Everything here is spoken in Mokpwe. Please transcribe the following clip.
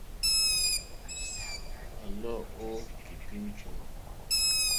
Â lɔ́ ú kítūm chèŋ.